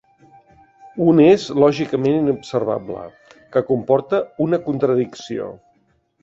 Un és el lògicament inobservable, que comporta una contradicció.